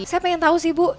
saya pengen tahu sih bu